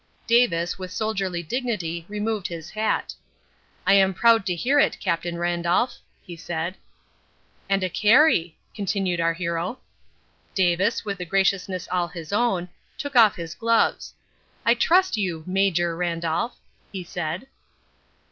Davis with soldierly dignity removed his hat. "I am proud to hear it, Captain Randolph," he said. "And a Carey," continued our hero. Davis, with a graciousness all his own, took off his gloves. "I trust you, Major Randolph," he said.